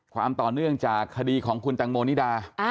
ความต่อเนื่องจากคดีของคุณตังโมนิดา